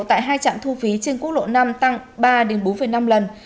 tại hai trạm thu phí trên quốc lộ năm tăng ba bốn năm lần